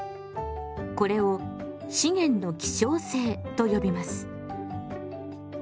これを資源の希少性と呼びます。